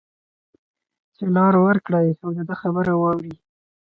چې لار ورکړی او د ده خبره واوري